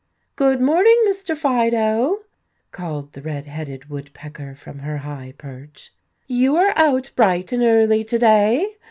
"Good morning, Mr. Fido," called the red headed woodpecker from her high perch. "You are out bright and early to day.